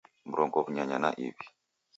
Mrongo w'unyanya na iw'i